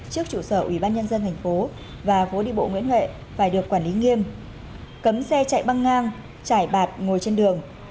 trước chủ sở ủy ban nhân dân tp hcm và phố đi bộ nguyễn huệ phải được quản lý nghiêm cấm xe chạy băng ngang chải bạc ngồi trên đường